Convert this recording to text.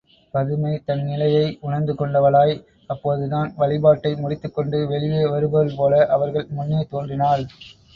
பதுமை தன் நிலையை உணர்ந்து கொண்டவளாய், அப்போதுதான் வழிபாட்டை முடித்துக் கொண்டு வெளியே வருபவள்போல அவர்கள் முன்னே தோன்றினாள்.